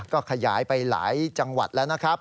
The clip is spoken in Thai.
ก็ขยายไปหลายจังหวัดแล้วนะครับ